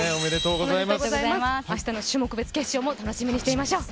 明日の種目別決勝も楽しみにしていましょう。